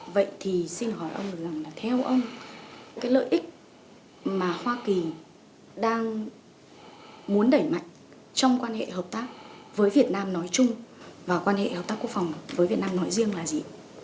vậy thì xin hỏi ông được rằng là theo ông cái lợi ích mà hoa kỳ đang muốn đẩy mạnh trong quan hệ hợp tác với việt nam nói chung và quan hệ hợp tác quốc phòng với việt nam nói riêng là gì